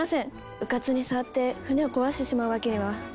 うかつに触って船を壊してしまうわけには。